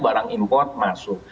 barang impor masuk